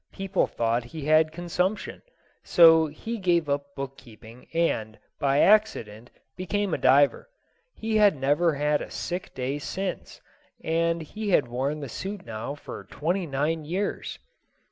People thought he had consumption. So he gave up bookkeeping and, by accident, became a diver. He had never had a sick day since, and he had worn the suit now for twenty nine years.